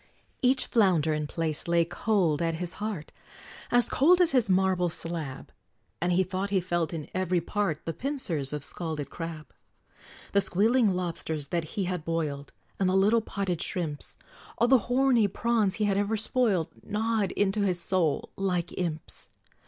Each flounder and plaice lay cold at his heart, As cold as his marble slab; And he thought he felt, in every part, The pincers of scalded crab. The squealing lobsters that he had boiled, And the little potted shrimps, All the horny prawns he had ever spoiled, Gnawed into his soul, like imps!